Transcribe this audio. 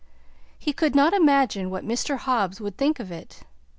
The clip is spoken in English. He could not imagine what Mr. Hobbs would think of it.